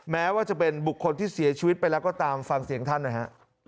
แม้ว่าจะเป็นบุคคลที่เสียชีวิตไปแล้วก็ตามฟังเสียงท่านหน่อยฮะ